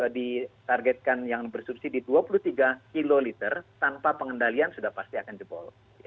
ditargetkan yang bersubsidi dua puluh tiga kiloliter tanpa pengendalian sudah pasti akan jebol